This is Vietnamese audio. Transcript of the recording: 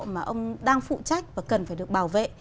mà ông đang phụ trách và cần phải được bảo vệ